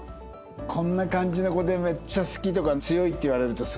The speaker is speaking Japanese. こんな感じの子でめっちゃ好きとか強いって言われるとすごいな。